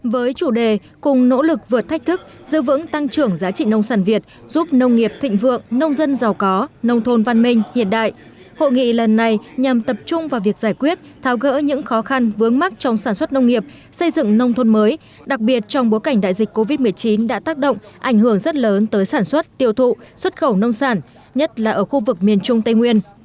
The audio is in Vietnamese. với chủ đề cùng nỗ lực vượt thách thức giữ vững tăng trưởng giá trị nông sản việt giúp nông nghiệp thịnh vượng nông dân giàu có nông thôn văn minh hiện đại hội nghị lần này nhằm tập trung vào việc giải quyết tháo gỡ những khó khăn vướng mắc trong sản xuất nông nghiệp xây dựng nông thôn mới đặc biệt trong bối cảnh đại dịch covid một mươi chín đã tác động ảnh hưởng rất lớn tới sản xuất tiêu thụ xuất khẩu nông sản nhất là ở khu vực miền trung tây nguyên